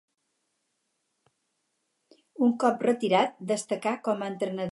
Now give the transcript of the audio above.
Un cop retirat destacà com a entrenador.